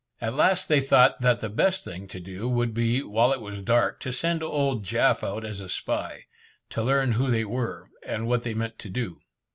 At last they thought that the best thing to do would be, while it was dark, to send old Jaf out as a spy, to learn who they were, and what they meant to do.